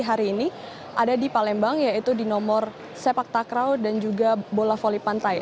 jadi hari ini ada di palembang yaitu di nomor sepak takraw dan juga bola voli pantai